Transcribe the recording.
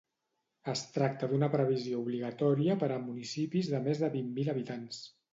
Es tracta d’una previsió obligatòria per a municipis de més de vint mil habitants.